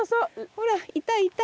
ほらいたいた！